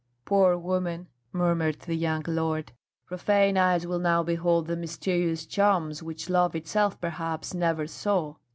"Poor woman!" murmured the young lord. "Profane eyes will now behold the mysterious charms which love itself perhaps never saw.